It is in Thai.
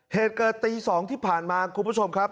เหตุเกิดตี๒ที่ผ่านมาคุณผู้ชมครับ